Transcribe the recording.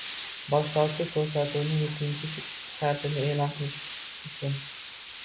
Boshlovchi ko‘rsatuvni yetinchi shartini e’lon qilish uchun